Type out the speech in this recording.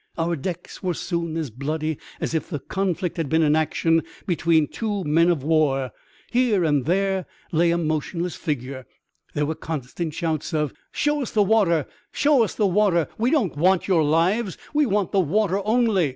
Our decks were soon as bloody as if the conflict had been an action between two men of war. Here and there lay a motionless figure. There were constant shouts of " Show jis the water ! Show us the water ! We don't want your lives ! We want the water only